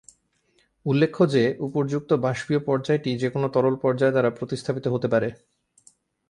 উল্লেখ্য যে, উপর্যুক্ত বাস্পীয় পর্যায়টি যেকোনো তরল পর্যায় দ্বারা প্রতিস্থাপিত হতে পারে।